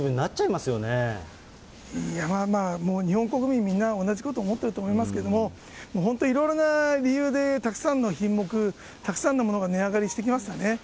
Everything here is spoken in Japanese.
まあまあ、もう日本国民みんな、同じこと思ってると思いますけれども、もう本当、いろいろな理由でたくさんの品目、たくさんのものが値上がりしてきますよね。